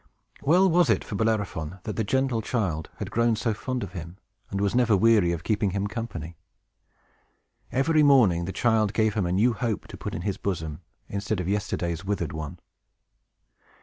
Well was it for Bellerophon that the gentle child had grown so fond of him, and was never weary of keeping him company. Every morning the child gave him a new hope to put in his bosom, instead of yesterday's withered one.